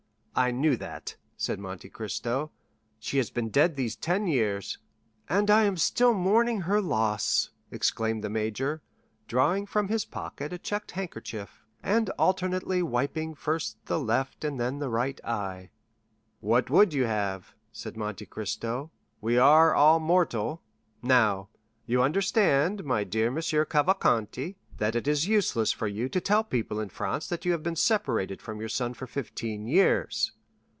"I knew that," said Monte Cristo; "she has been dead these ten years." "And I am still mourning her loss," exclaimed the major, drawing from his pocket a checked handkerchief, and alternately wiping first the left and then the right eye. "What would you have?" said Monte Cristo; "we are all mortal. Now, you understand, my dear Monsieur Cavalcanti, that it is useless for you to tell people in France that you have been separated from your son for fifteen years.